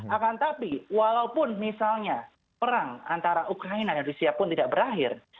akan tapi walaupun misalnya perang antara ukraina dan rusia pun tidak berakhir